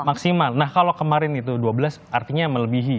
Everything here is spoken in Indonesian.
maksimal nah kalau kemarin itu dua belas artinya melebihi